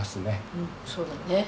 うんそうだね。